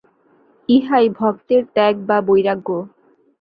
ইহাই ভক্তের ত্যাগ বা বৈরাগ্য।